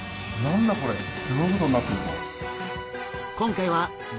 すごいことになってるぞ。